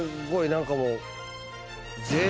何かもう。